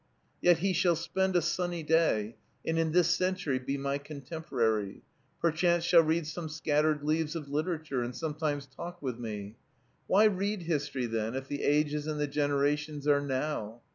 Yet he shall spend a sunny day, and in this century be my contemporary; perchance shall read some scattered leaves of literature, and sometimes talk with me. Why read history, then, if the ages and the generations are now?